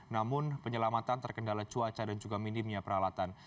namun penyelamatan terkendala cuaca dan juga minimnya peralatan